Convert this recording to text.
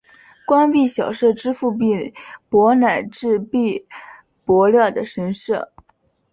官币小社支付币帛乃至币帛料的神社。